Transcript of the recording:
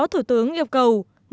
thủ tướng yêu cầu